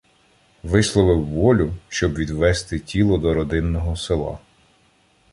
Висловив волю, щоб відвезти тіло до родинного села.